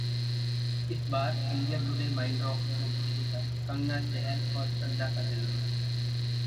इस बार India today 'MindRocks' में दिखेगा कंगना-चहल और श्रद्धा का जलवा